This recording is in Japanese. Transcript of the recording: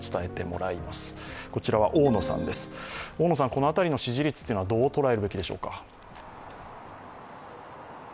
この辺りの支持率というのはどう捉えるべきでしょうか？